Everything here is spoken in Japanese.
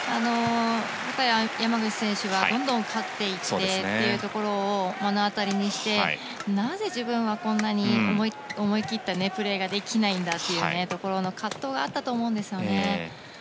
山口選手はどんどん勝っていってというところを目の当たりにして、なぜ自分はこんなに思い切ったプレーができないんだというところの葛藤があったと思うんですよね。